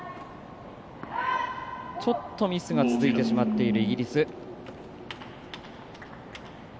ちょっとミスが続いてしまっているイギリス。